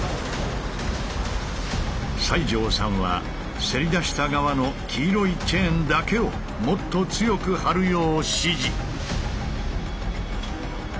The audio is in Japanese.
西城さんはせり出した側の黄色いチェーンだけをもっと強く張るよう指示。